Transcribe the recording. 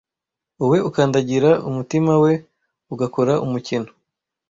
wowe ukandagira umutima we ugakora umukino